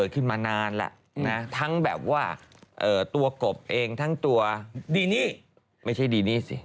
อยู่กันกับฝั่งเนี่ย